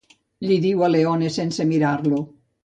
—li diu a Leone sense mirar-lo.